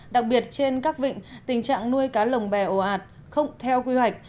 đặc biệt trên các vịnh tình trạng nuôi cá lồng bè ồ ạt không theo quy hoạch